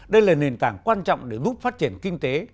đây là nền tảng quan trọng để giúp phát triển kinh tế